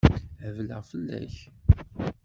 Hebleɣ fell-ak.